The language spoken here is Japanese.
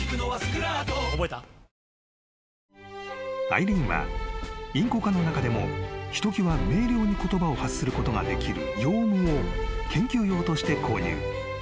［アイリーンはインコ科の中でもひときわ明瞭に言葉を発することができるヨウムを研究用として購入］